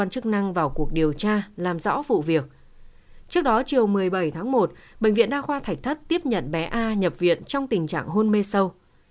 trước đó chiều một mươi bảy tháng một bệnh viện đa khoa thạch thất tiếp nhận bé a nhập viện trong tình trạng hôn mê sâu